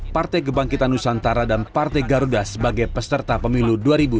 partai kebangkitan nusantara dan partai garuda sebagai peserta pemilu dua ribu dua puluh